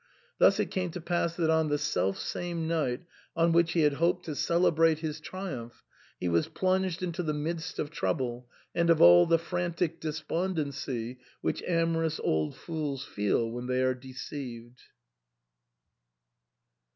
Thus it came to pass that on the selfsame night on which he had hoped to celebrate his triumph, he was plunged into the midst of trouble and of all the frantic despond ency which amorous old fools feel when they are de ceived.